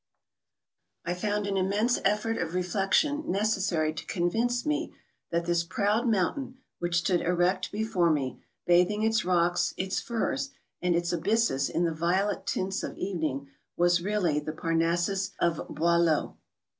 I found an immense effort of reflection necessary to convince me that this proud mountain, which stood erect before me, bathing its rocks, its firs, and its abysses in the violet tints of evening, was really the Parnassus of Boileau.